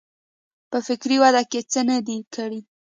په فکري وده کې څه نه دي کړي.